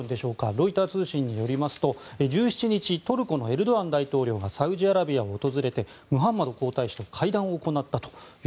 ロイター通信によりますと１７日トルコのエルドアン大統領がサウジアラビアを訪れてムハンマド皇太子と会談を行ったと。